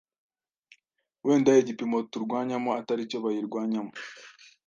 wenda igipimo turwanyamo ataricyo bayirwanyaho,